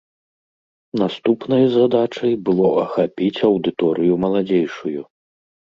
Наступнай задачай было ахапіць аўдыторыю маладзейшую.